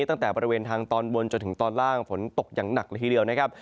ตั้งแต่บริเวณทางตอนบนจนถึงตอนล่างฝนตกอย่างหนักละทีเดียวนะครับ